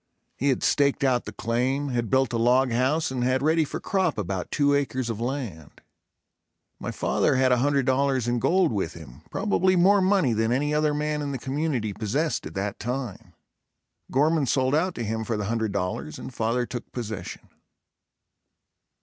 He had staked out the claim, had built a log house and had ready for crop about two acres of land. My father had $100.00 in gold with him, probably more money than any other man in the community possessed at that time. Gorman sold out to him for the $100.00 and father took possession.